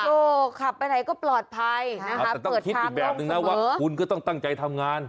ถูกขับไปไหนก็ปลอดภัยนะครับแต่ต้องคิดอีกแบบนึงนะว่าคุณก็ต้องตั้งใจทำงาน